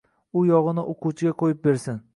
U yog‘ini o‘quvchiga qo‘yib bersin.